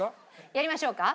やりましょうか。